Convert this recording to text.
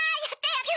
やった！